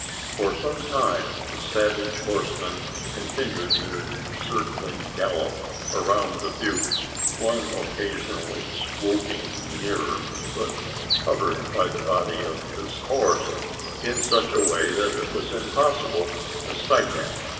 For some time the savage horsemen continued their circling gallop around the butte one occasionally swooping nearer; but covered by the body of his horse in such a way that it was impossible to sight him.